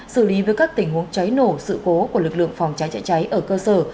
xử lý với các tình huống cháy nổ sự cố của lực lượng phòng cháy chữa cháy ở cơ sở